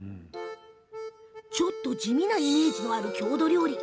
ちょっと地味なイメージのある郷土料理。